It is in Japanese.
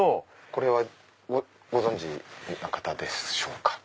これはご存じの方でしょうか？